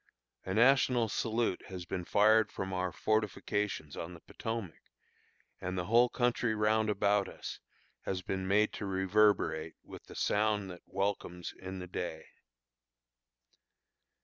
A national salute has been fired from our fortifications on the Potomac, and the whole country round about us has been made to reverberate with the sound that welcomes in the day.